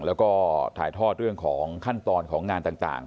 แล้วก็ถ่ายทอดเรื่องของขั้นตอนของงานต่าง